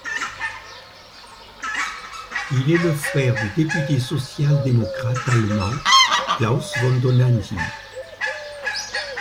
Il est le frère du député social-démocrate allemand Klaus von Dohnanyi.